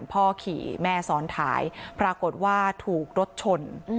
พ่อขี่แม่ซ้อนท้ายปรากฏว่าถูกรถชน